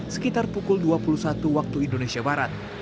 sekitar pukul dua puluh satu waktu indonesia barat